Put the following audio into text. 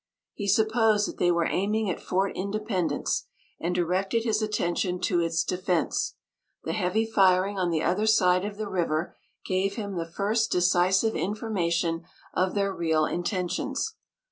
He supposed that they were aiming at Fort Independence, and directed his attention to its defence; the heavy firing on the other side of the river gave him the first decisive information of their real intentions.